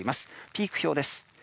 ピーク表です。